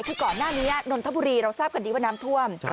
คือก่อนหน้านี้นนทบุรีเราทราบกันดีว่าน้ำท่วม